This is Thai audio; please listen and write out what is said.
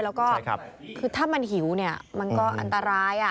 แล้วก็ถ้ามันหิวมันก็อันตราย